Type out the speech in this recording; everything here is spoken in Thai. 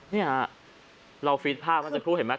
เนี่ยเราฟีดภาพก็จะพูดเห็นมั้ย